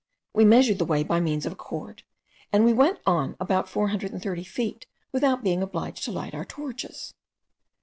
We measured the way by means of a cord; and we went on about four hundred and thirty feet without being obliged to light our torches.